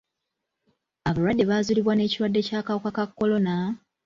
Abalwadde baazuulibwa n'ekirwadde ky'akawuka ka kolona